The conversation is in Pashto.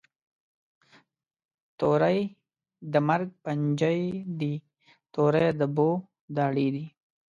توری د مرګ پنجی دي، توری د بو داړي دي